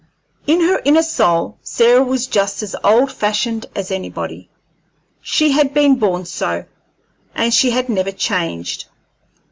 In her inner soul Sarah was just as old fashioned as anybody she had been born so, and she had never changed.